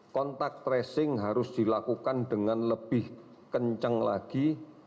kontak tracing harus dilakukan dengan lebih kencang lagi